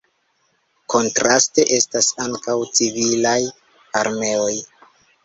Kontraste estas ankaŭ civilaj armeoj.